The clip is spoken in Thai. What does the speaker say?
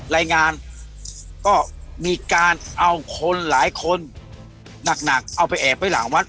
รายงานก็มีการเอาคนหลายคนหนักเอาไปแอบไว้หลังวัด